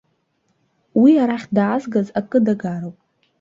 Уи арахь даазгаз акы дагароуп.